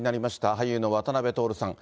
俳優の渡辺徹さん。